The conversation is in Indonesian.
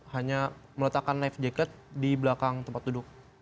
hanya meletakkan life jacket di belakang tempat duduk